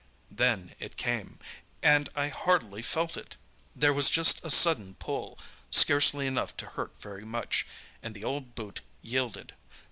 "Then it came—and I hardly felt it! There was just a sudden pull—scarcely enough to hurt very much, and the old boot yielded.